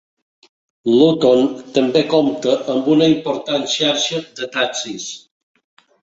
Luton també compta amb una important xarxa de taxis.